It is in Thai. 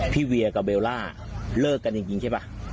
เวียกับเบลล่าเลิกกันจริงใช่ป่ะ